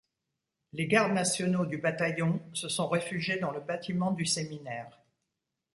Les gardes nationaux du bataillon se sont réfugiés dans le bâtiment du séminaire.